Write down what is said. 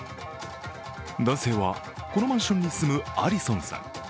男性は、このマンションに住むアリソンさん。